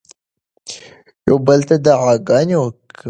یو بل ته دعاګانې کوئ.